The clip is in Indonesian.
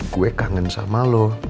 gue kangen sama lo